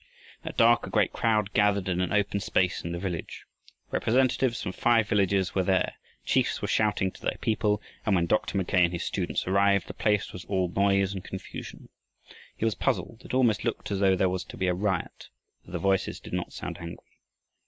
At dark a great crowd gathered in an open space in the village. Representatives from five villages were there, chiefs were shouting to their people, and when Dr. Mackay and his students arrived, the place was all noise and confusion. He was puzzled. It almost looked as if there was to be a riot, though the voices did not sound angry.